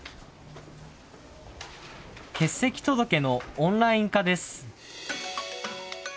欠席届のオンライン化です。